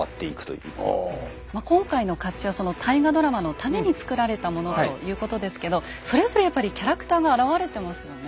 まあ今回の甲冑は大河ドラマのために作られたものということですけどそれぞれやっぱりキャラクターが表れてますよね。